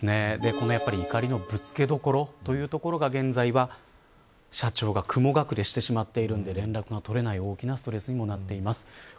この怒りのぶつけどころというところが現在は社長が雲隠れしてしまっているので連絡が取れない大きなストレスになっています。